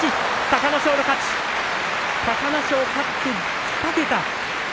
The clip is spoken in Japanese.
隆の勝、勝って２桁。